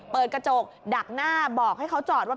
เปิดกระจกดักหน้าบอกให้เขาจอดว่า